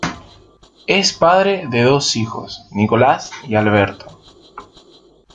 Es padre de dos hijos, Nicolás y Alberto.